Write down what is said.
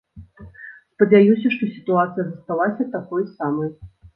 Спадзяюся, што сітуацыя засталася такой самай.